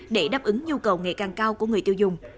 để đáp ứng nhu cầu ngày càng cao của người tiêu dùng